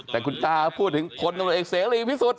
แต่คุณกะพูดถึงคนตำรวจเอกเสียงนี่ได้เลย